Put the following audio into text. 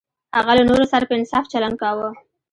هغه له نورو سره په انصاف چلند کاوه.